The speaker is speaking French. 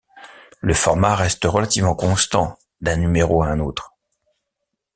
Le format reste relativement constant d’un numéro à un autre.